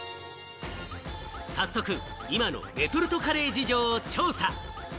早速、今のレトルトカレー事情を調査。